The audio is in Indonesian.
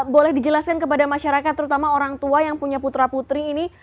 boleh dijelaskan kepada masyarakat terutama orang tua yang punya putra putri ini